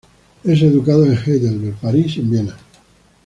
Es educado en Heidelberg, París, y en Viena.